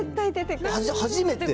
初めて。